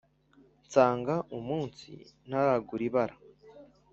nsanga umunsi ntaragura ibara